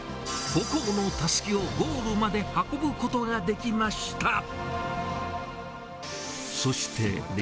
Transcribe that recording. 母校のたすきをゴールまで運ぶことができました。